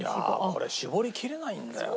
これ絞りきれないんだよね。